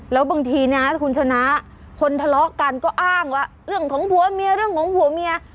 แล้วบางทีนะคุณชนะคนทะเลาะกันก็อ้างว่าเรื่องของผัวเมียเรื่องของผัวเมีย